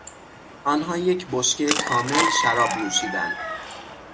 آنها یک بشکه کامل شراب نوشیدند.